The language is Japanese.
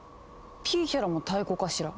ピーヒャラも太鼓かしら？